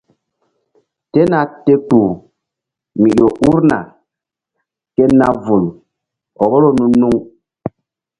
Tena te kpuh mi ƴo urna ke na vul vboro nu-nuŋ.